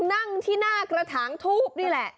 นั่งที่หน้ากระถางทูบนี่แหละ